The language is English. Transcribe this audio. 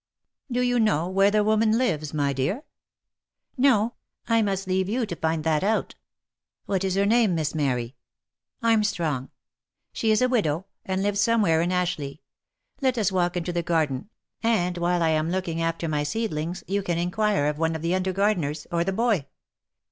Do you know where the woman lives, my dear?" " No ; I must leave you to find that out." " What is her name, Miss Mary ?" "Armstrong. She is a widow, and lives somewhere in Ashleigh. Let us walk into the garden, and while I am looking after my seed lings, you can inquire of one of the under gardeners, or the boy.